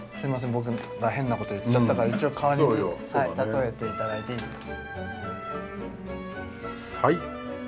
僕が変なこと言っちゃったから一応代わりに例えていただいていいですか？